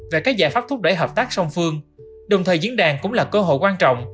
về các giải pháp thúc đẩy hợp tác song phương đồng thời diễn đàn cũng là cơ hội quan trọng